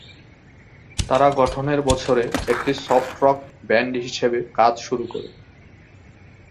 তারা গঠনের বছরে একটি সফট রক ব্যান্ড হিসাবে কাজ শুরু করে।